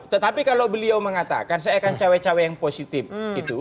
tetapi kalau beliau mengatakan saya akan cawe cawe yang positif gitu